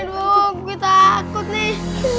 aduh gue takut nih